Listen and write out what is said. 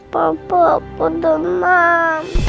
papa aku demam